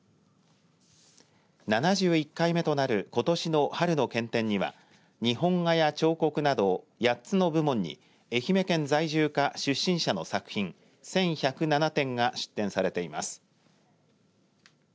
７１回目となることしの春の県展には日本画や彫刻など８つの部門に愛媛県在住か出身者の作品１１０７点が出展されています。